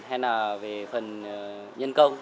hay là về phần nhân công